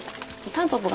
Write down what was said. タンポポ。